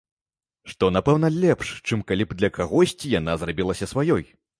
Што, напэўна, лепш, чым калі б для кагосьці яна зрабілася сваёй.